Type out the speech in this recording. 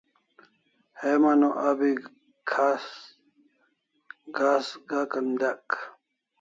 Heman o abi ghas gakan dek